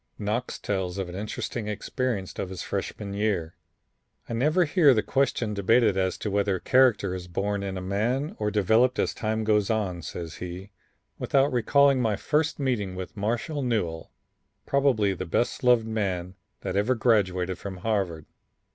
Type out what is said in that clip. Knox tells of an interesting experience of his Freshman year. "I never hear the question debated as to whether character is born in a man or developed as time goes on," says he, "without recalling my first meeting with Marshall Newell, probably the best loved man that ever graduated from Harvard.